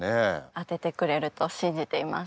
当ててくれると信じています。